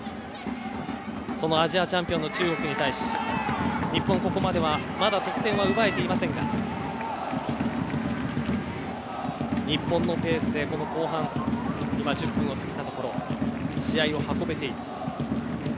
そのアジアチャンピオンの中国に対し日本、ここまではまだ得点は奪えていませんが日本のペースで後半、１０分を過ぎたところ試合を運べている。